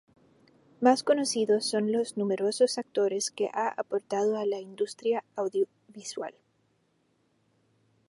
Más conocidos son los numerosos actores que ha aportado a la industria audiovisual.